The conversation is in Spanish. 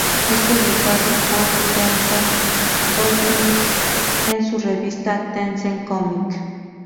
Es publicado por Tencent Holdings en su revista "Tencent Comic".